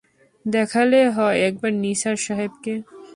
দেখালে হয় একবার নিসার সাহেবকে।